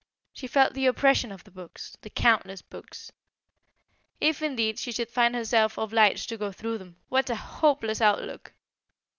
She felt the oppression of the books the countless books. If indeed, she should find herself obliged to go through them. What a hopeless outlook!